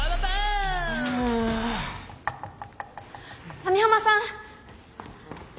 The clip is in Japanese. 網浜さん！